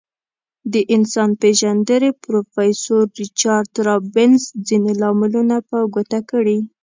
د انسان پیژندنې پروفیسور ریچارد رابینز ځینې لاملونه په ګوته کړي.